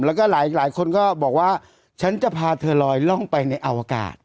แล้วก็หลายคนก็บอกว่าฉันจะพาเธอลอยล่องไปในอวกาศ